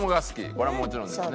これはもちろんですね。